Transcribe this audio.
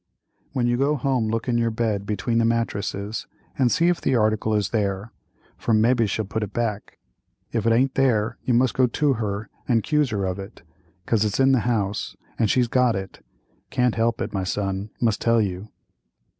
"When you go home look in your bed between the mattresses and see if the article is there, for mebbe she'll put it back—if it aint there you must go to her and 'cuse her of it, 'cause it's in the house and she's got it—can't help it, my son, must tell you."